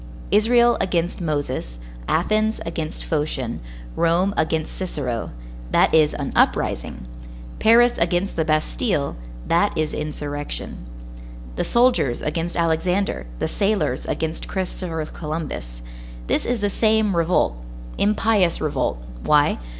Israel against Moses, Athens against Phocian, Rome against Cicero,—that is an uprising; Paris against the Bastille,—that is insurrection. The soldiers against Alexander, the sailors against Christopher Columbus,—this is the same revolt; impious revolt; why?